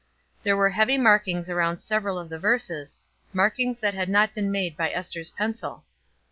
There were heavy markings around several of the verses, markings that had not been made by Ester's pencil.